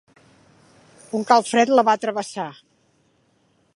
Un calfred la va travessar.